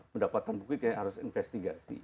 pendapatan bukti harus investigasi